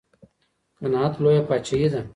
قناعت لويه پاچاهي ده.